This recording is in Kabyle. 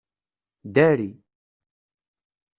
Dari.